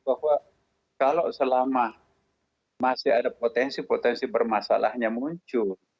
bahwa kalau selama masih ada potensi potensi bermasalahnya muncul